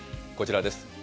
こちらです。